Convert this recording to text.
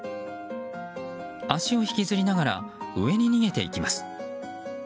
足を引きずりながら上に逃げていきます。